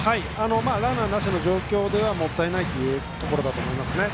ランナーなしの状況ではもったいないというところだと思いますね。